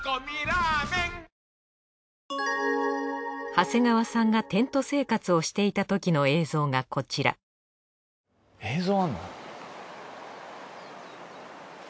長谷川さんがテント生活をしていたときの映像がこちら映像あんの？